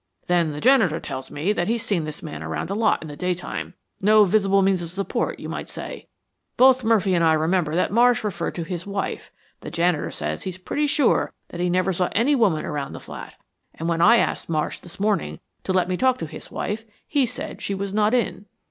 Then the janitor tells me that he's seen this man around a lot in the daytime 'no visible means of support,' you might say. Both Murphy and I remember that Marsh referred to his wife. The janitor says he's pretty sure that he never saw any woman around the flat. And when I asked Marsh this morning to let me talk to his wife, he said she was not in."